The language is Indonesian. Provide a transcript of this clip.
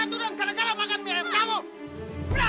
apa butuhnya orang cerita terdiri dari biaya kita